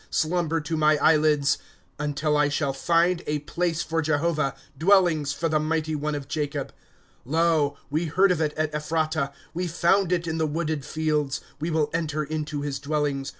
Slumber to my eyelids ;^ Until I shall find a place for Jehovah, Dwellings for the mighty one of Jacob. * Lo, we heard of it at Ephratah ; We found it in the wooded fields. ' We will enter in to his dwellings.